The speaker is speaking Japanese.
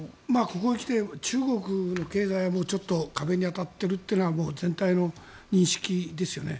ここへ来て中国の経済はちょっと壁に当たっているというのは全体の認識ですよね。